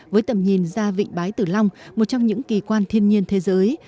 với tầm nhìn ra vịnh bái tử long một trong những kỳ quan thiên nhiên thế giới